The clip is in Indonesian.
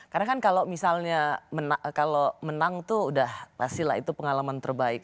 karena kan kalau misalnya kalau menang tuh udah pasti lah itu pengalaman terbaik